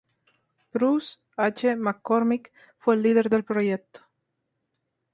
Bruce H. McCormick fue el líder del proyecto.